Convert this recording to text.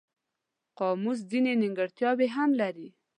قاموس ځینې نیمګړتیاوې هم لري.